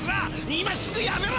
今すぐやめろ！